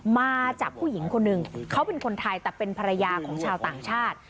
มาจากผู้หญิงคนหนึ่งเขาเป็นคนไทยแต่เป็นภรรยาของชาวต่างชาติ